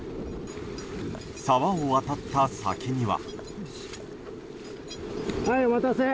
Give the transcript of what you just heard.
沢を渡った先には。